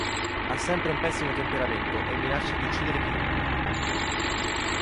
Ha sempre un pessimo temperamento e minaccia di uccidere chiunque.